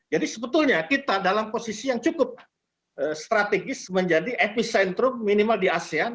jadi sebetulnya kita dalam posisi yang cukup strategis menjadi epicentrum minimal di asean